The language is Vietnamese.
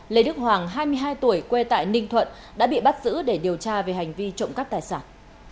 lê đức hoàng hai mươi hai tuổi quê tại ninh thuận đã bị bắt giữ để điều tra về hành vi trộm cắp tài sản